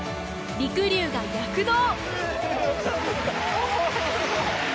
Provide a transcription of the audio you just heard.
りくりゅうが躍動！